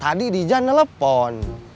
tadi di jalan telepon